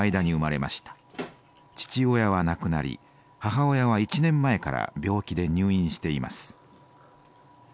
父親は亡くなり母親は１年前から病気で入院しています。